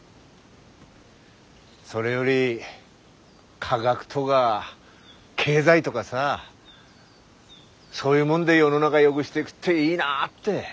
それより科学とか経済とかさそういうもんで世の中よぐしていぐっていいなって。